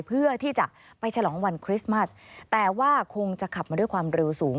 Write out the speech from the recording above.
เพื่อที่จะไปฉลองวันคริสต์มัสแต่ว่าคงจะขับมาด้วยความเร็วสูง